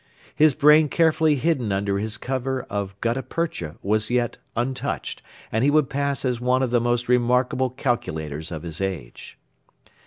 His brain carefully hidden under his cover of gutta percha was yet untouched, and he would still pass as one of the most remarkable calculators of his age.